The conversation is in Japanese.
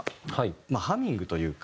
まあハミングというか。